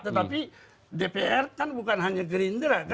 tetapi dpr kan bukan hanya gerindera kan